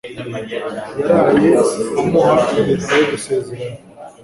Yaraye amuha impeta yo gusezerana.